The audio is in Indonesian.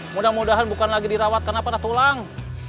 mudah mudahan bukan lagi dirawat karena panas tulang